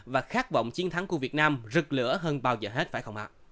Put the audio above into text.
và khát vọng chiến thắng của việt nam rực lửa hơn bao giờ hết phải không ạ